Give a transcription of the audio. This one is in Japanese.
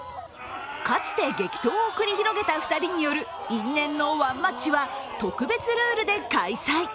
かつて激闘を繰り広げた２人による因縁のワンマッチは特別ルールで開催。